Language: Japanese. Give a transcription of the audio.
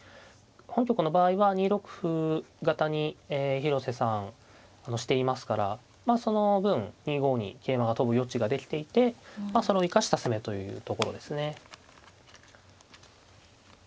本局の場合は２六歩型に広瀬さんしていますからその分２五に桂馬が跳ぶ余地ができていてそれを生かした攻めというところですね。